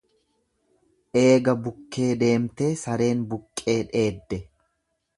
Eega bukkee deemtee sareen buqqee dheedde.